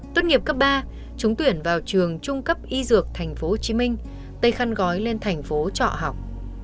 tốt nghiệp cấp ba chúng tuyển vào trường trung cấp y dược tp hcm tây khăn gói lên tp trọ học